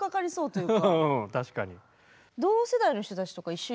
うん確かに。